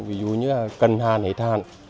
ví dụ như là cần hàn hay thàn